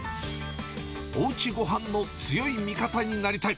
おうちごはんの強い味方になりたい。